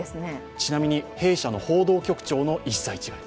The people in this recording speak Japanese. ちなみに、弊社の報道局長の１歳違い。